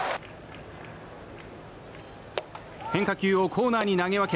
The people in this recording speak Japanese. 変化球をコーナーに投げ分け